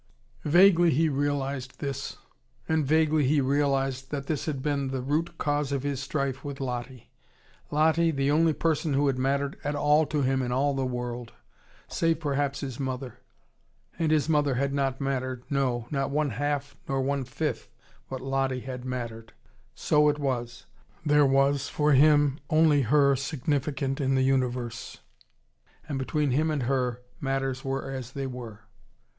Vaguely he realised this. And vaguely he realised that this had been the root cause of his strife with Lottie: Lottie, the only person who had mattered at all to him in all the world: save perhaps his mother. And his mother had not mattered, no, not one half nor one fifth what Lottie had mattered. So it was: there was, for him, only her significant in the universe. And between him and her matters were as they were.